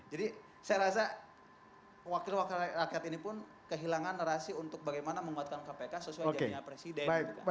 jadi saya rasa wakil wakil rakyat ini pun kehilangan narasi untuk bagaimana membuatkan kpk sesuai jadinya presiden